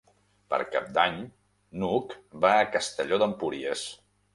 Per Cap d'Any n'Hug va a Castelló d'Empúries.